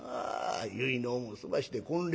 結納も済まして婚礼。